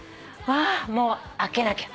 わもう開けなきゃ。